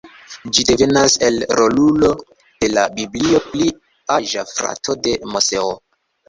Ĝi devenas el rolulo de la Biblio, pli aĝa frato de Moseo.